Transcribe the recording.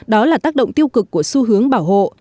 đó là tác động tiêu cực của xu hướng bảo hộ